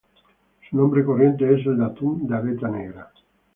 Su nombre corriente es el de atún de aleta negra.